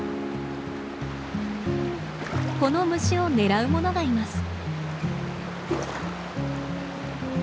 この虫を狙うものがいます。